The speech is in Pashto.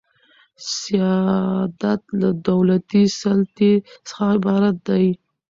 سیادت له دولتي سلطې څخه عبارت دئ.